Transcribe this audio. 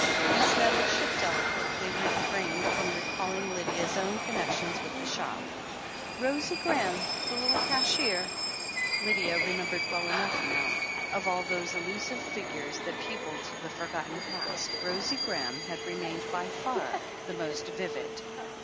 Miss Nettleship delicately refrained from recalling Lydia's own connection with the shop. Rosie Graham, the little cashier ! Lydia remembered well enough now. Of all those elusive figures that peopled the forgotten past, Rosie Graham had remained by far the most vivid.